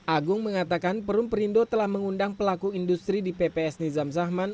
agung mengatakan perum perindo telah mengundang pelaku industri di pps nizam zahman